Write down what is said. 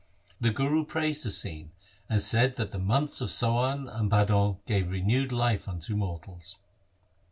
The Guru praised the scene, and said that the months of Sawan and Bhadon gave renewed life unto mortals.